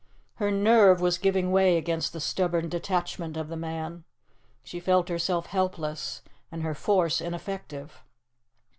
Her nerve was giving way against the stubborn detachment of the man. She felt herself helpless, and her force ineffective.